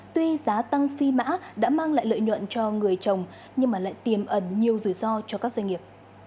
tuy giá tăng phi mã đã mang lại lợi nhuận cho người chồng nhưng lại tiềm ẩn nhiều rủi ro cho các doanh nghiệp